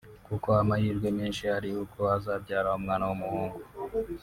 kuko amahirwe menshi ari uko azabyara umwana w'umuhungu